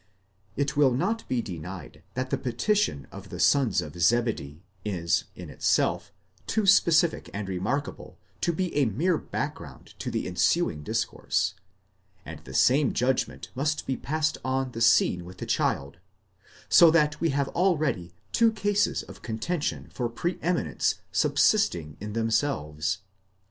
It will not be denied that the petition of the sons of Zebedee, is in itself too specific and remarkable to be a mere background to the ensuing dis course ; and the same judgment must be passed on the scene with the child: so that we have already two cases of contention for pre eminence subsisting in themselves.